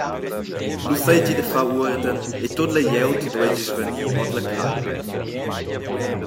Lu seigi da far uorden e tut la glieud dueigi svanir ord la caglia.